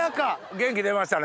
元気出ましたね。